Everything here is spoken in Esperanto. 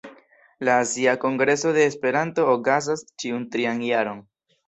La Azia Kongreso de Esperanto okazas ĉiun trian jaron.